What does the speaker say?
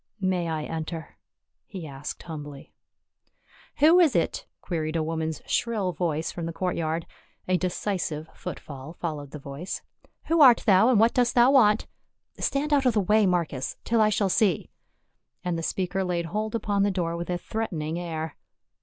" May I enter?" he asked humbly. "Who is it?" queried a woman's shrill voice from the courtyard ; a decisive footfall followed the voice. " Who art thou, and what dost thou want? Stand out of the way, Marcus, till I shall see," and the speaker laid hold upon the door with a threatening air.